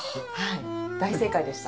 大正解でした。